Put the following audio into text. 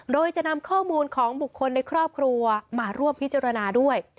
โดยจะนำข้อมูลของบุคคลในครอบครัวมาร่วมพิจารณาด้วย